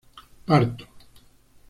parto